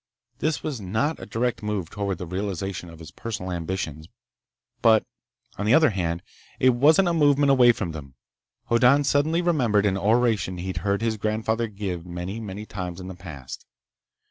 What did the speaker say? This was not a direct move toward the realization of his personal ambitions. But on the other hand, it wasn't a movement away from them. Hoddan suddenly remembered an oration he'd heard his grandfather give many, many times in the past.